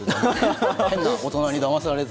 変な大人にだまされず。